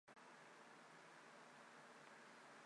肘髎穴是属于手阳明大肠经的腧穴。